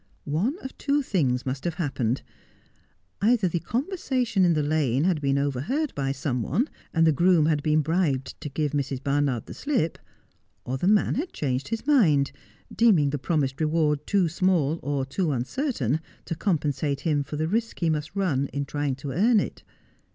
One of two things must have happened. Either the conversation in the lane had been overheard by some one, and the groom had been bribed to give Mrs. Barnard the slip ; or the man had changed his mind, deeming the promised reward too small or too uncertain to compensate Hm for the risk he must run in trying to earn it.